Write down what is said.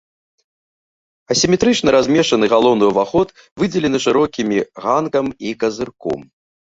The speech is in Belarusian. Асіметрычна размешчаны галоўны ўваход выдзелены шырокімі ганкам і казырком.